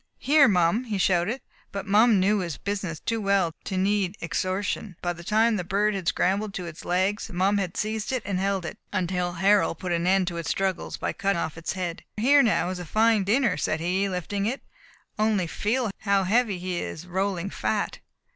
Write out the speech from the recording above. "Here, Mum!" he shouted; but Mum knew his business too well to need exhortation, for by the time the bird had scrambled to its legs Mum had seized and held it, until Harold put an end to its struggles by cutting off its head. "Here now is a fine dinner," said he, lifting it, "only feel how heavy; he is rolling fat."